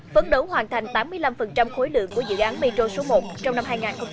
phấn đấu hoàn thành tám mươi năm khối lượng của dự án metro số một trong năm hai nghìn hai mươi